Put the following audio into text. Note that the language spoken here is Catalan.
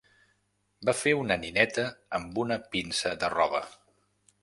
Va fer una nineta amb una pinça de roba.